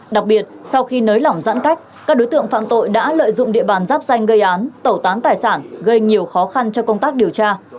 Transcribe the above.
đặc biệt sau khi nới lỏng giãn cách các đối tượng phạm tội đã lợi dụng địa bàn giáp danh gây án tẩu tán tài sản gây nhiều khó khăn cho công tác điều tra